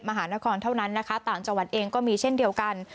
มหานครเท่านั้นนะคะต่างจังหวัดเองก็มีเช่นเดียวกัน